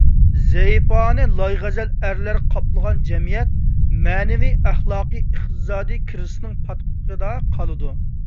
زەيپانە، لايغەزەل ئەرلەر قاپلىغان جەمئىيەت مەنىۋى، ئەخلاقىي، ئىقتىسادىي كرىزىسنىڭ پاتقىقىدا قالىدۇ.